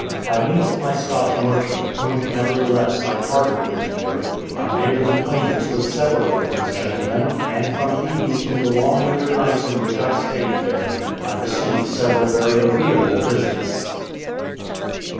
By means of my Scotch merchant, whom, nevertheless, I parted with here, I made an acquaintance with several of these gentlemen; and from these, in the long winter nights in which I stayed here, I received several very agreeable visits.